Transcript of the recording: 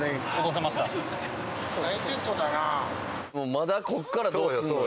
まだここからどうよ？